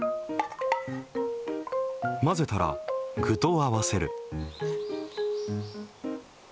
混ぜたら具と合わせる。